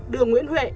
đường nguyễn huệ